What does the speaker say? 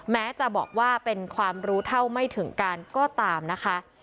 แม้จะบอกว่าเป็นความรู้เท่าไม่ถึงการก็ตามนะคะ